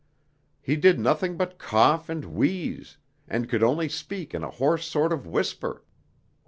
He did nothing but cough and wheeze, and could only speak in a hoarse sort of whisper."